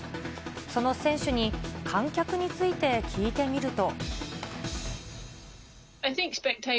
その選手に観客について聞いてみると。